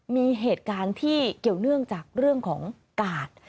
มีเหตุการณ์ที่เกี่ยวเงื่อนเรื่องจากของกาต